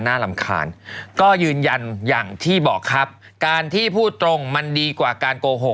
รำคาญก็ยืนยันอย่างที่บอกครับการที่พูดตรงมันดีกว่าการโกหก